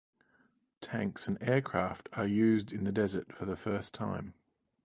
Tanks and aircraft are used in the desert for the first time.